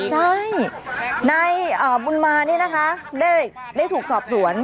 ใช่นายบุญมานี่นะคะได้ถูกสอบสวน